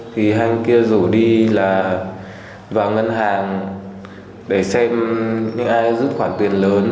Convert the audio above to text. thì anh kia rủ đi là vào ngân hàng để xem những ai rút khoản tiền lớn